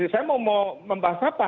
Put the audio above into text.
saya mau membahas apa